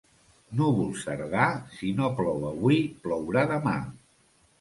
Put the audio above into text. Núvol cerdà, si no plou avui, plourà demà.